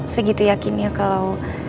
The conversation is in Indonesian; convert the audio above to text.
segitu yakinnya kalau